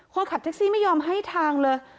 คนขับแท็กซี่ไม่ยอมให้ทางเลย